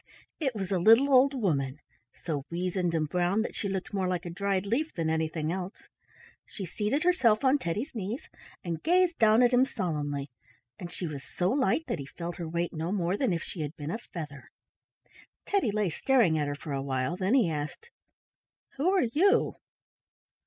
It was a little old woman, so weazened and brown that she looked more like a dried leaf than anything else. She seated herself on Teddy's knees and gazed down at him solemnly, and she was so light that he felt her weight no more than if she had been a feather. Teddy lay staring at her for a while, and then he asked, "Who are you?"